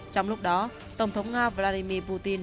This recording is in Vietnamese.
trong lúc đó tổng thống nga vladimir putin